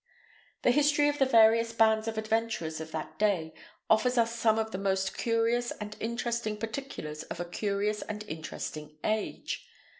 The history of the various bands of adventurers of that day offers us some of the most curious and interesting particulars of a curious and interesting age.